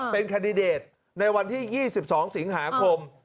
เป็นแคนดิเดตในวันที่๒๒สิงหาคม